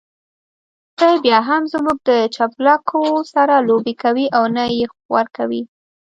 سپی بيا هم زموږ د چپلکو سره لوبې کوي او نه يې ورکوي.